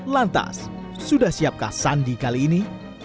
lantas sudah siapkah sandi kali ini